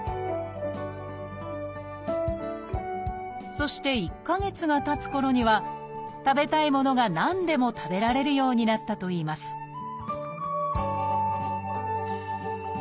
そして１か月がたつころには食べたいものが何でも食べられるようになったといいますチョイス！